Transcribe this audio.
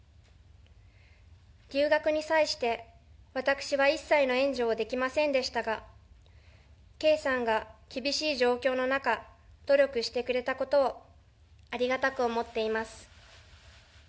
留学に際して、私は一切の援助をできませんでしたが、圭さんが厳しい状況の中、努力してくれたことをありがたく思っています。